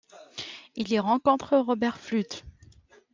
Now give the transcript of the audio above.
Il y rencontre Robert Fludd.